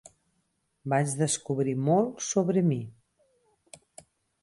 Vaig descobrir molt sobre mi.